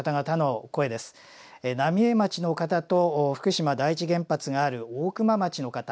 浪江町の方と福島第一原発がある大熊町の方。